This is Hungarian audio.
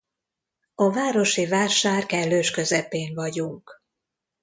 A városi vásár kellős közepén vagyunk.